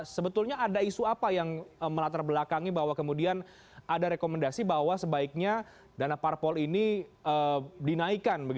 sebetulnya ada isu apa yang melatar belakangi bahwa kemudian ada rekomendasi bahwa sebaiknya dana parpol ini dinaikkan